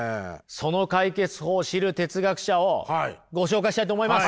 その解決法を知る哲学者をご紹介したいと思います！